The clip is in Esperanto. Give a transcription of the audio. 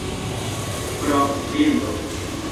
profbildo